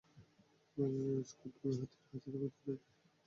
বাজারের স্কোর দু-তিন হাজারের মধ্যে থাকলে সেটিকে প্রতিযোগিতামূলক বাজার বলা হয়।